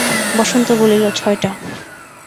বসন্ত বলিল, ছয়টা।